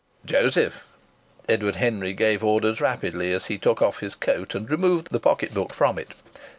"Joseph," Edward Henry gave orders rapidly, as he took off his coat and removed the pocket book from it.